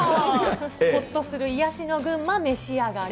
ほっとする癒やしの群馬、召し上がれと。